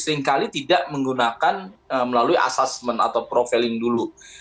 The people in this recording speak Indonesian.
seringkali tidak menggunakan melalui assessment atau profiling dulu